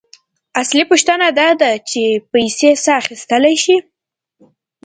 اصلي پوښتنه داده چې پیسې څه اخیستلی شي